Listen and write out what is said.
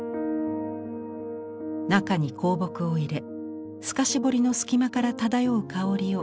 中に香木を入れ透かし彫りの隙間から漂う香りを楽しみます。